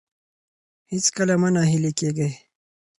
هیڅکله مه نه هیلي کیږئ.